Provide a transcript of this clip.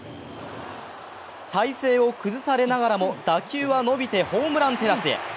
体勢を崩されながらも打球は伸びてホームランテラスへ。